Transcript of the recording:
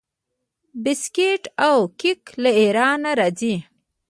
بسکیټ او کیک له ایران راځي.